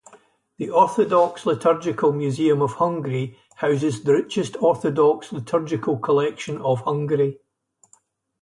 The "Orthodox Liturgical Museum of Hungary" houses the richest Orthodox liturgical collection of Hungary.